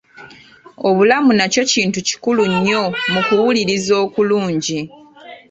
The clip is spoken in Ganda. Obulamu nakyo kintu kikulu nnyo mu kuwuliriza okulungi.